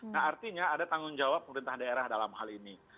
nah artinya ada tanggung jawab pemerintah daerah dalam hal ini